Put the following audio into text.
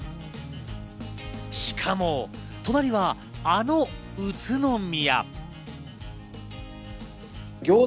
しかも、隣はあの宇都宮。